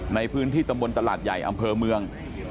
ในพื้นที่ตำบลตลาดใหญ่อำเภอเมือง